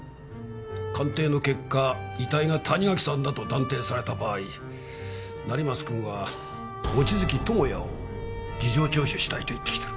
鑑定の結果遺体が谷垣さんだと断定された場合成増君は望月友也を事情聴取したいと言ってきてる。